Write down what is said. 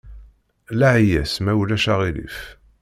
Laɛi-yas ma ulac aɣilif.